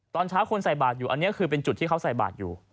ตอนเช้าคนใส่บาทอยู่อันนี้คือเป็นจุดที่เขาใส่บาทอยู่